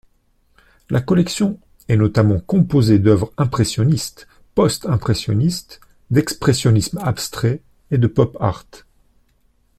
La collection est notamment composée d'œuvres impressionnistes, post-impressionnistes, d'expressionnisme abstrait et de pop-art.